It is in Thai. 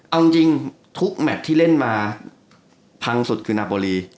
เอาจริงทุกแมทที่เล่นมาพังสุดคือนาโบรี